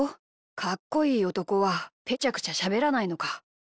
かっこいいおとこはぺちゃくちゃしゃべらないのか。